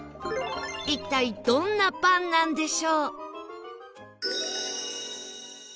一体どんなパンなんでしょう？